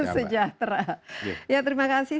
sejahtera ya terima kasih